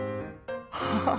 ハハハ！